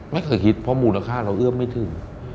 ไม่เคยคิดเพราะมูลค่าเราเอื้อมไม่ถึง